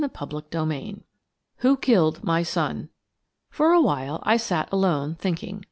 CHAPTER XIV. "who killed my son?" For awhile, I sat alone, thinking.